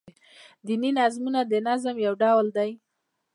دیني نظمونه دنظم يو ډول دﺉ.